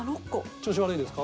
調子悪いですか？